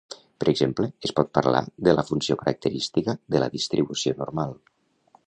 Per exemple, es pot parlar de la funció característica de la distribució normal.